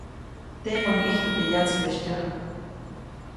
Teʼmäʼuŋ ʼijtu teʼ yatsibäʼis tyäjk.